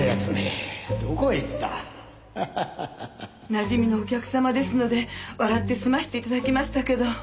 なじみのお客様ですので笑って済ませて頂きましたけど。